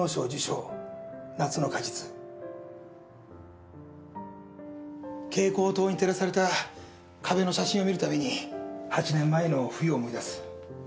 「夏の果実」「蛍光灯に照らされた壁の写真を見るたびに８年前の冬を思い出す」